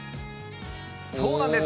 そうなんです。